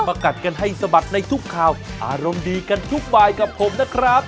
กัดกันให้สะบัดในทุกข่าวอารมณ์ดีกันทุกบายกับผมนะครับ